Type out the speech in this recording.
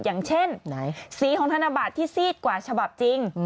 อย่างเช่นสีของธนบัตรที่ซีดกว่าฉบับจริง